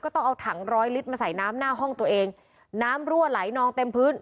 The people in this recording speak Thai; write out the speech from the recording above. ต้องเอาถังร้อยลิตรมาใส่น้ำหน้าห้องตัวเองน้ำรั่วไหลนองเต็มพื้น